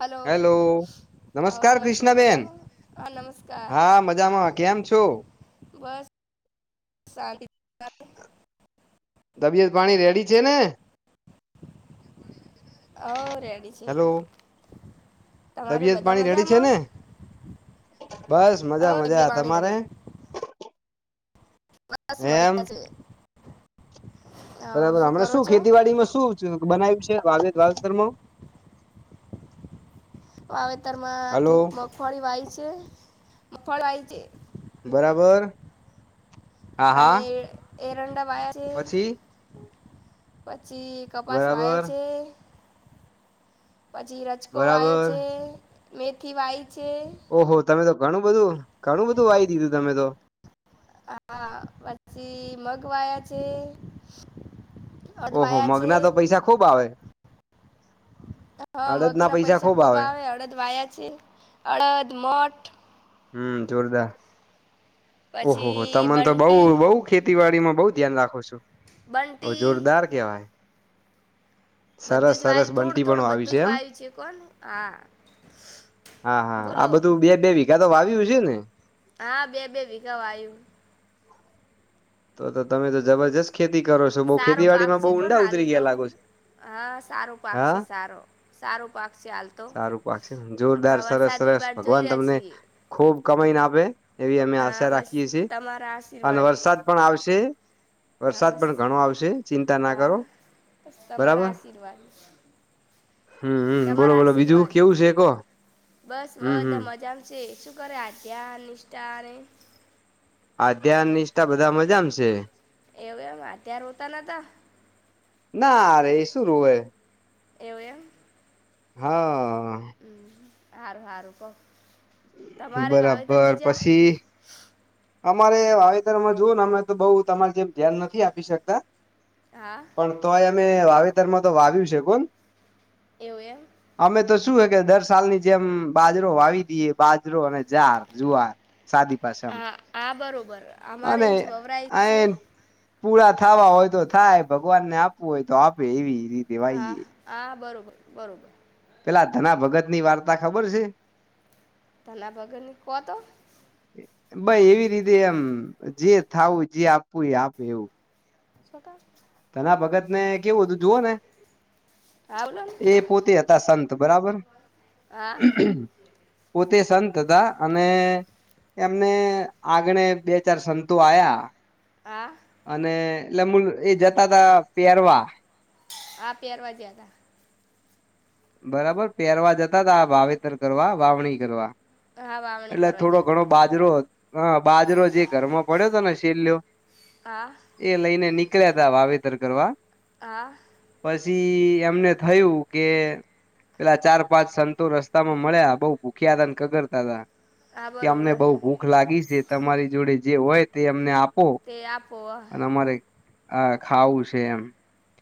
Hello. Hello હ નમસ્કાર ક્રિષ્નાબેન મજામાં? હ નમસ્કાર, હા મજામાં કેમ છો બસ [unintelligible] તબિયત પાણી રેડી છે ને? હા રેડી છે. હેલો તમારે તબિયત બધા પાણી રેડી છે, મજામાં ને બસ હવ મજા તબિયત મજા પાણી તમારે? રેડી એમ [unintelligible] હવ બરાબર. હમણાં કરો શું છો ખેતીવાડીમાં શું બનાવ્યું છે વાવેતરમાં? વાવેતર માં હલો મગફળી વાય છે, મગફળી વાય છે. બરાબર. હા હા અને [unintelligible] છે, પછી પછી, કપાસ બરાબર [unintelligible] છે પછી [unintelligible] બરાબર છે. મેથી વાવી છે. ઓહો તમે તો ઘણું બધું ઘણું બધું વાઈ દીધું તમે તો. હા પછી મગ વાયા છે. અડદ ઓહો વાયા મગના છે તો પૈસા ખુબ આવે. હા.. મગના પૈસા ખુબ આવે. [unintelligible] છે. [unintelligible] હમ જોરદાર. ઓ હો તો પછી બંટી બઉ બઉ ખેતીવાડીમાં બહ ધ્યાન રાખો છુ, બંટી જોરદાર કેવાય. સરસ બધું જ સરસ [unintelligible] થોડું બંટી પણ થોડું વાવી છે બધું એમ જ [unintelligible] છે. હા હા આ બોલો બધું બે બે વીઘા તો વાવ્યું છે ને? હા બે બે વીઘા આવય્યું. તો તો તમે તો જબરજસ્ત ખેતી કરો છો બહુ સારો ખેતીવાડી પાક માં બહ છે કોને ઊંડા હાલ ઉતરી ગયા તો લાગો છો? હા સારું પાક હા છે સારો સારું પાક છે હાલ તો. સારું પાકશે પણ જોરદાર આ સરસ વરસાદની સરસ, વાટ જોઈ ભગવાન રહ્યા તમને છીએ ખુબ કમાઈને આપે એવી અમે હા આશા બસ રાખીએ છીએ, તમારા અને આશીર્વાદ વરસાદ પણ આવશે. હા વરસાદ બસ પણ ઘણો આવશે ચિંતા ના કરો. બ તમારા બરાબર આશીર્વાદ. હમ હમ બોલો તમારા બોલો બીજું આશીર્વાદ, કેવું છે કો બસ હમ હમ બધા મજા. શું કરે આયા નિષ્ઠાને? આધ્યાન નિષ્ઠા બધા મજામ છે. એવું એમ ત્યારે રોતા નતા? ના અરે એ શું રાવે. એવું એમ? હા. હમ સારું સારું કઉ, તમારે વાવેતર બરાબર બીજા. પછી અમારે વાવેતરમાં જો ને અમે તો બઉ તમારી જેમ ધ્યાન નથી આપી શકતા. હા. પણ તોય અમે વાવેતરમાં તો વાવ્યું છે કોણ? એવું એમ? અમે તો શું હે કે દર સાલની જેમ બાજરો વાવી દઈએ બાજરો અને જાર જુવાર સાદી પાછામાં. હા હા બરોબર અમારા ઇંચ વવરાય છે. આ પૂરા થવા હોય તો થાય ભગવાનને આપવું હોય તો આપે એવી રીતે હા વાઈએ હા બરોબર બરોબર. પેલા ધના ભગતની વાર્તા ખબર છે? ધના ભગની કોતો બાઈ એવી રીતે એમ જે થાવું જે આપવું એ આપે એવું [unintelligible] ધના ભગત ને કેવું હતું જુઓ ને હા બોલો ને એ પોતે હતા સંત બરાબર હા પોતે સંત હતા અને એમને આગણે બે ચાર સંતો આવ્યા. આ અને એટલેમ એ જતા તા પહેરવા હા પેરવા જ્યાં તા બરાબર પહેરવા જતા હતા આ વાવેતર કરવા વાવણી કરવા. હા વા એટલે થોડો ઘણો બાજરો હ બાજરો જે ઘરમાં પડ્યો હતો ને શેલયો હા. એ લઈને નીકળ્યા તા વાવેતર કરવા હા. પછી એમને થયું કે પેલા ચાર પાંચ સંતો રસ્તામાં મળ્યા બહુ ભૂખ્યા હતા ને કગરતા હતા. હા કે અમને બરોબર બઉ ભૂખ લાગી છે તમારી જોડે જે હોય તે અમને આપો તે આપો અને અમારે આ ખાવું છે એમ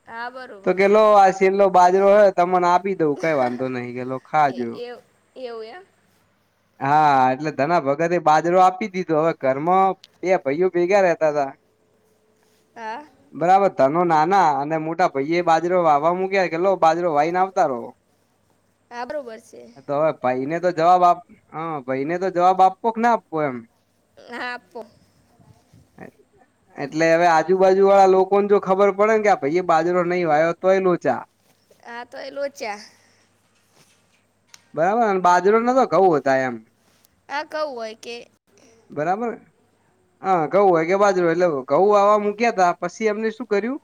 હા તો બરોબર કેલો આ છેેલ્લો બાજરો હો તમને આપી તો કઈ વાંધો નહી ગેલો છે ખાજો એ એ એવું એમ હા એટલે ધના ભગતે બાજરો આપી દીધો હવે ઘરમાં બે ભઈઓ ભેગા રહેતા તા હા. બરાબર ધનો નાના અને મોટા ભઈ એ બાજરો વાવા મૂક્યા કે લો બાજરો વાઈ ન આવતા રો. હા બરોબર શે. હવે ભાઈને તો જવાબ આપ હ ભાઈને તો જવાબ આપ આપવો ના આપવો એમ હા આપો [unintelligible] એટલે હવે આજુબાજુ વાળા લોકો ને જો ખબર પડે કે આ ભઈ બાજરો નઈ વાયો તોય લોચા. હા તો એ લોચા. બરાબર બાજરો ન તો ઘઉં હતા એમ. આ ધઉ હોય કે બરાબર. હા ઘંઉ હોય કે બાજરો એટલે ઘઉં વાવા મૂક્યા તા પછી એમને શું કર્યું.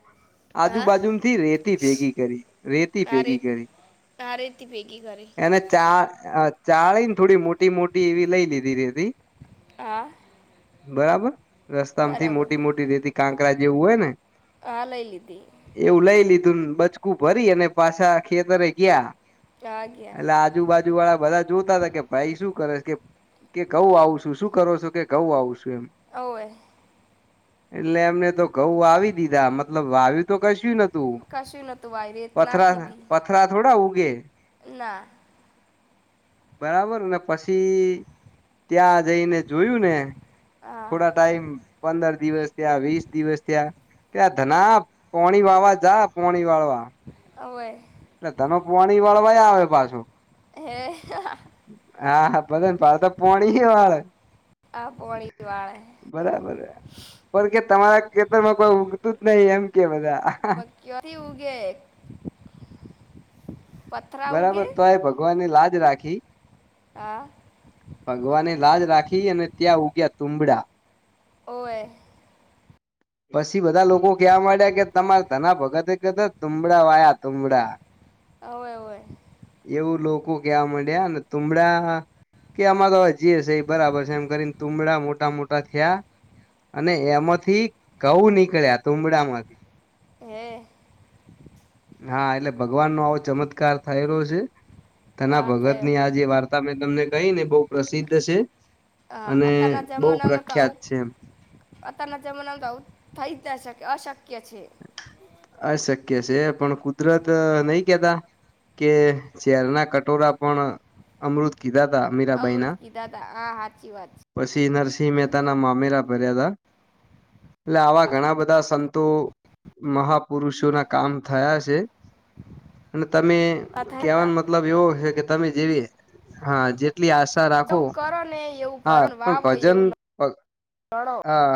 આજુ હા બાાજુથી રેતી ભેગી કરી રેતી ભેગી કરી. તા રેતી ભેગી કરી. એને ચા આ ચાળીન થોડી મોટી મોટી એવી લઈ લીધી રેતી. આ બરાબર રસ્તામાંથી બરાબર મોટી મોટી રેતી કાંકડા જેવું હોય ને. આ લઈ લીધી. એવું લઈ લીધું ને બચકું ભરી અને પાછા ખેતરે ગિયા. હા ગયા એટલે આજુબાજુ વાળા બધા જોતા હતા કે ભાઈ શું કરે કે કે ઘઉં વાવુ શું શું કરો છો કે ઘઉં વાવું છું એમ. હોવે એટલે એમને તો ઘઉં વાવી દીધા મતલબ વાવ્યુ તો કશ્યું ન કશું નહોતું વાયડુ ના કેતી. પથરા થોડા ઉગે. ના. બરાબર ને પછી ત્યાં જઈને જોયું ને હા થોડા ટાઈમ પંદર દિવસ થયા વીસ દિવસ થયા. ત્યાં ધનાબ પોણી વાવા જા પોણી વાડવા. હોવે. એટલે ધનોવ પોણી વાળવાય આવે પાછું. હે હા આ હા હા ભલે ન આતો પોણી [unintelligible] આ પોળી પીવાય બરાબર પણ કે તમારા ખેતરમાં પણ ઊગતું જ નહી એમ કે બધા કયાથી ઉગે [unintelligible] પત્થર બરાબર તો એ ભગવાનની લાજ રાખી. હા. ભગવાની લાજ રાખી અને ત્યાં ઉગ્યા તુંબડા. ઓવે પછી બધા લોકો કેવા માંડ્યા કે તમાર ધના ભગતે કેતો તુંબડા વાયા તુંબડા. ઓવે ઓવે હોય. એવું લોકો કેવા માંડ્યા ને તુંબડા કે આમાં તો હજીએ છે ઈ બરાબર છે એમ કરીને તુમડા મોટા મોટા થયા. અને એમાંથી કઉ નીકળ્યા તુમડા માંથી. હે. હા એટલે ભગવાન નો આવો ચમત્કાર થયેલો છે તેના આ ભગત થયો ની આજે વાર્ત તા મેં તમને કહી ને બહુ પ્રસિદ્ધ છે. હા અને અતારના બહુ જમાનામાં તો પ્રખ્યાત આવું છે અતારના જમનામાં આવું થાઈ જ ના શકે અશક્ય છે. અશક્ય છે પણ કુદરત નહી કેતા કે ઝેર ના કટોરા પણ અમૃત કીધા હતા અ અમૃત મીરાબાઇના કીધા હતા આ સાચી વાત પછી નરસિંહ છે મહેતાના મામેરા ભર્યાતા એટલે આવા ઘણા બધા સંતો મહાપુરુષો ના કામ થયા છે અને તમે આ થયા કેવાનો હતા મતલબ એવુ હે કે તમે જેવી હા જેટલી આ તા રાખો જેવું કરો ને એવું હા ભરો ને પણ વાવો ભજન એવું લણો હા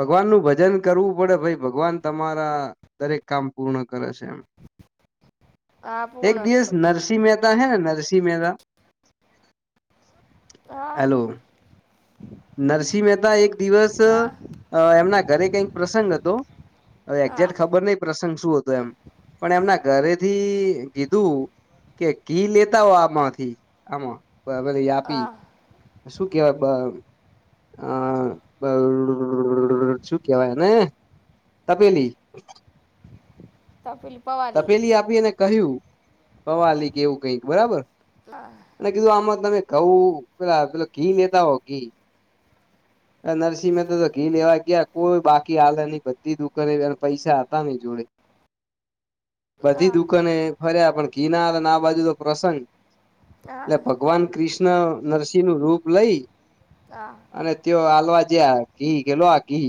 ભગવાન નું ભજન કરવું પડે ભાઈ ભગવાન તમારા દરેક કામ પૂર્ણ કરે છે એમ હા એક પૂર્ણ દિવસ કરો. નરસિંહ મ મહેતા હૈ નરસિંહ મહેતા હા હેલો નરસિંહ મહેતા એક દિવસ હા અ એમના ઘરે કઈક પ્રસંગ હતો હવે હા એકજેકટ ખબર ખબર નહીં પ્રસંગ શું હતો એમ પણ એમના ઘરેથી કીધું કે કી લેતા હો આમાંથી આમાં પ હવે તો એ આપી હા શું કેવાય બ અહ બ ડ શું કેવાયને એને તપેલી. તપેલી પવાલી તપેલી આપીને કહ્યું પવાલી કેવું કઈક બરાબર અહ અને કીધું આમાં તમે કહું પેલા પેલો ઘી લેતા આઓ ઘી. અહ નરસિંહ મહે તો તો ઘી લેવા ગયા કોઈ બાકી હાલ નની બધી દુકાને પૈસા હતા નહીં જોડે બધી હા દુકાને ફર્યા પણ ઘી ના આ બાજુ તો પ્રસંગ હા એટલે ભગ ભગવાન કૃષ્ણ નરસિંહ નું રૂપ લઈ આ અને તેઓ આલવા જયાં ઘી કે આલો ઘી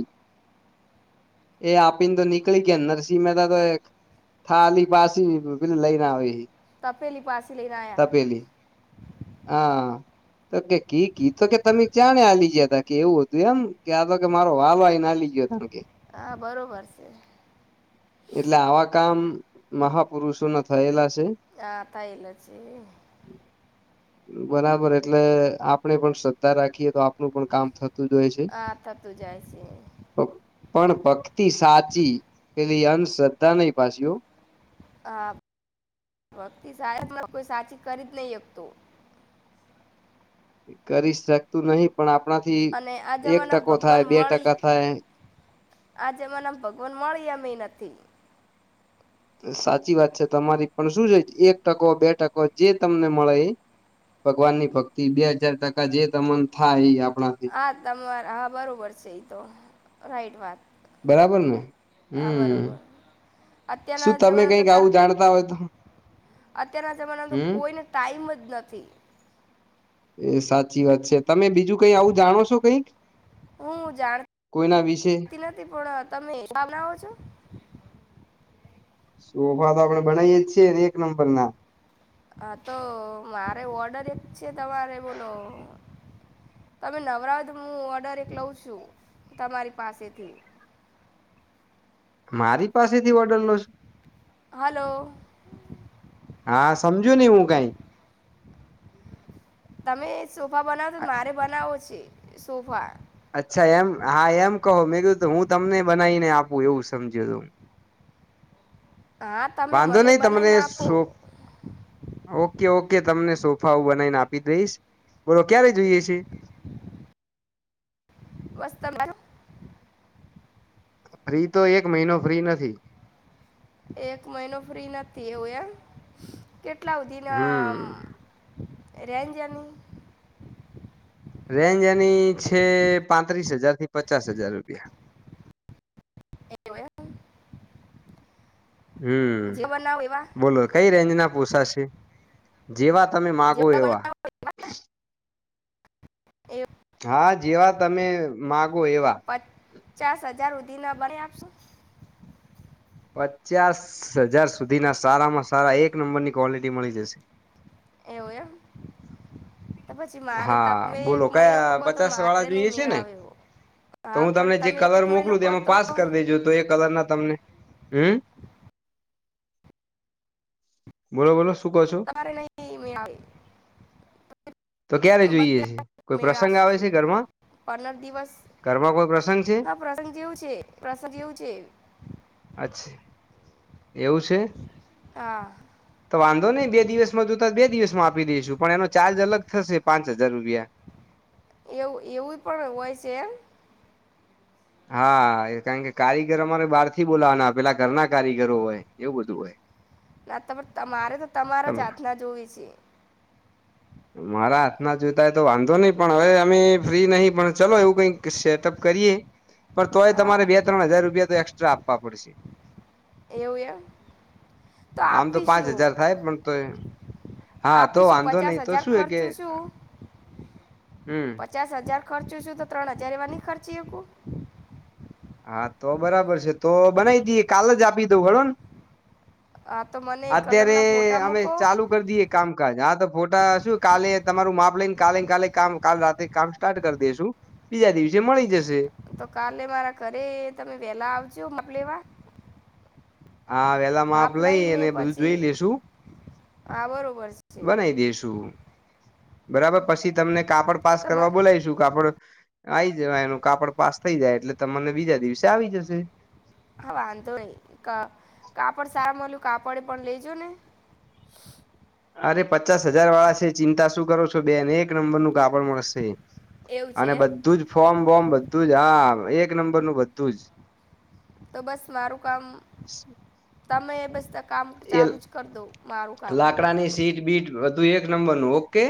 એ આપી ને તો નીકળી ગયા નરસિંહ મહેતા તો એક થાલી પાછી પીને લઈ ના આવી એ. તપેલી પાસે લઈને આયા હા. તો કે કી કીધ તો કે તમે ચા ને આલી જ હતા કે એવું હતું એમ કે આ તો કે મારો વાળ હોયનેલી ગીઓ તો કે. હા, બરોબર છે. એટલે આવા કામ મહાપુરુષો ના થયેલા છે. આ થઈલો છે. બરાબર એટલે આપડે પણ શ્રદ્ધા રાખીએ તો આપનું પણ કામ થ હા, થતું જાય છે એ. પ અહ પણ ભક્તિ સાચી પેલી અંધ શ્રદ્ધા નહી પાછી હો. હા, વક્તિ સા કોઈ સાચી કરી જ નહી એકતો કરી શકતું નહિ પણ આપણાથી અને આ એક ટકો થાય બે ટકા થાય આજે મનેમ ભગવાન મળી એમ એ નથી. સાચી વાત છે. તમારી પણ શું છે એક ટકો બે ટકો જે તમને મળે એ ભગવાન ની ભક્તિ બે હજાર ટકા જે તમન થાય ઈ આપડા હા તમારા હા બરોબર છે એ તો રાઈટ વાત બરાબર ને હમ્મ. અત્યાના જમાના ના તો તર આવું જાણતા હોય તો અત્યારના જમાના તો હમ કોઈને ટાઈમ જ નથી. એ સાચી વાત છે. તમે બીજું કઈ આવું જાણો છો કઈક, કોઈના વિશે? ને નથી પણ અહ તમે બનાવો છો? સોફા તો આપડે બનાવીયે જ છીએ ને એક નંબર ના. હા, તો મારે ઓર્ડર એક છે તમારે બોલો તમે નવરાત હું ઓર્ડર એક લઉં છું તમારી પાસેથી. મારી પાસેથી ઓર્ડર લો છો? હલો. હા, સમજુ ની હું કાઈ. તમે સોફા બનાવ છો મારે બનાવો છે સોફા. અચ્છા એમ હા એમ કહો મેં કીધું હું તમને બનાવીને આપું એવું સમજીયો થો હું. હા તમે વાંધો મને નહી તમને બનાવીને આપો શું ઓકે ઓકે તમને સોફા હું બનાવીને આપી દઈશ બોલો ક્યારે જોઈએ છે. બસ તમારુ ફ્રી તો એક મહિનો ફ્રી નથી. એક મહિનો ફ્રી નથી એવું એમ કેટલા સુધી ના. હમ રેન્જ એની રેન્જ એની છે પાંત્રીસ હજાર થી પચાસ હજાર રૂપિયા. એવું એમ હમ જે બનાવો એવા બોલો કઈ રેન્જ ના પોસાશે. જેવા તમે માગો જેવા એવા. એવું હા જેવા તમે માગો એવા. પચાસ હજાર સુધીનાં બનાઇ આપશો. પચાસ હજાર સુધી ના સારામાં સારા એક નંબરની ક્વોલિટી મળી જશે. એવું એમ. તો પછી મારે હા તમે એક બોલો મહિનો કયા કહ તો પચાસ વાળા મારે નહી જોઈએ છે મેળ ને આવે એવો. તો હા હું પણ તમને જે તમે એક કલર મહિનો મોકલું કહો એમાં તો પાસ કરી દેજો તો એ કલર ના તમને. હમ બોલો બોલો શું કો છો. મારે નહીં મેળ આવે તો ક્યારે જોઈએ છે બધા કોઈ મેળ પ્રસંગ આવે આવશે છે ઘરમાં. પંદર દિવસ ઘરમાં કોઈ પ્રસંગ છે હા પ્રસંગ જેવું છે પ્રસંગ જેવું છે. અચ્છા એવું છે. હા તો વાંધો નહી બે દિવસમાં જોતા બે દિવસ માં આપી દઈશું પણ એનો ચાર્જ અલગ થશે પાંચ હજાર રૂપિયા. એવું એવું પણ હોય છે એમ. હા કારણ કે કારીગર અમારે બહાર થી બોલાવાના પેલા ઘરના કારીગરો હોય એવું બધું હોય. ના તો તમારે તો તમારા જ તમે હાથના જોવી છે. મારા હાથ ના જોતાય તો વાંધો નહી પણ હવે અમે ફ્રી નહી પણ ચલો એવું કઈક સેટઅપ કરીએ. પર તોય હા તમારે બે ત્રણ હજાર રૂપિયા તો એસ્ટ્રા આપવા પડશે. એવું એમ તો આમ પાંચ આપીશું હજાર થાય પણ તો હા તો આપીશું વાંધો પચાસ નહી તો હજાર. શું એ કે ખર્ચું છું હમ પચાસ હજાર ખર્ચુ છું તો ત્રણ હજાર એવા નહી ખર્ચી એ હા તો બરાબર છે તો બનાવી દઈએ કાલ જ આપી દઉં ઘણો ને. હા તો મને અત્યારે કલરના ફોટા અમે મૂકો ચાલુ. કરી દઈએ કામકાજ આા તો ફોટા શું કાલે તમારું માપ લઈને કાલે કાલે કામ કાલ રાતે. કામ સ્ટાર્ટ કરી દેસું બીજા દિવસે મળી જશે. તો કાલે મારા ઘરે તમે વેલા આવશો નાપ લેવા. હા વેલા માપ લઈ લઈને અને બધું જોઈ પછી લેેશુ. હા બરોબર છે બનાઈ દેસું. બરાબર પછી તમને કાપડ પાસ કરવા તમારે બોલાયશું કાપડ. આવી જવા એનું કાપડ પાસ થઈ જાય એટલે તમને બીજા દિવસે આવી જશે. હા વાંધો નહી હા કાપડ સારા મલ્યું કાપડે પણ લેજો ને. અરે પચાસ હજાર વાળા છે ચિંતા શું કરો છો બેને એક નંબર નું કાપડ મળે. એવું છે અને એમ બધું જ ફોર્મ બોમ બધું જ હા એક નંબર નું બધું જ. તો બસ મારું કામ તમે બસ. કામ ચાલુ જ કરી દોં મારું કામ આની સીટ બીટ બધું એક નંબર નું ઓકે